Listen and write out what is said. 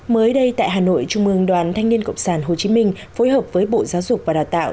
mới đây tại hà nội trung mương đoàn thanh niên cộng sản hồ chí minh phối hợp với bộ giáo dục và đào tạo